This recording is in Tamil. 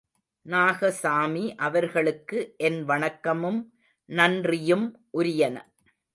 நாகசாமி அவர்களுக்கு, என் வணக்கமும் நன்றியும் உரியன.